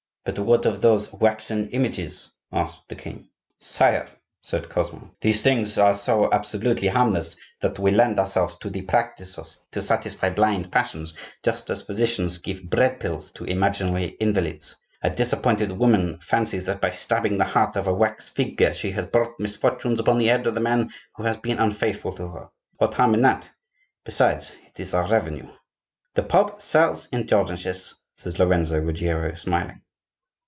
"But what of those waxen images?" asked the king. "Sire," said Cosmo, "these things are so absolutely harmless that we lend ourselves to the practice to satisfy blind passions, just as physicians give bread pills to imaginary invalids. A disappointed woman fancies that by stabbing the heart of a wax figure she has brought misfortunes upon the head of the man who has been unfaithful to her. What harm in that? Besides, it is our revenue." "The Pope sells indulgences," said Lorenzo Ruggiero, smiling.